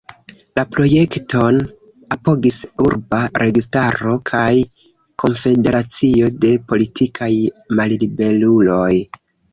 La projekton apogis urba registaro kaj konfederacio de politikaj malliberuloj.